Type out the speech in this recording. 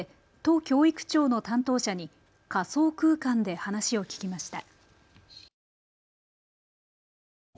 教育長の担当者に仮想空間で話を聞きました。